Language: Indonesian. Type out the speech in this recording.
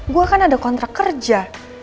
gue kan ada kontrak kerja